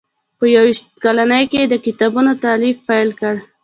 په یو ویشت کلنۍ کې یې د کتابونو تالیف پیل کړ.